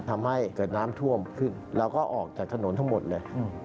ทำให้เกิดน้ำท่วมขึ้นแล้วก็ออกจากถนนทั้งหมดเลย